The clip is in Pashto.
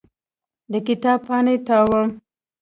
د کتاب پاڼې تاووم.